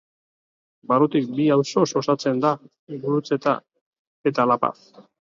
Barrutiak bi auzoz osatzen da Gurutzeta eta La Paz.